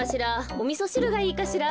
おみそしるがいいかしら。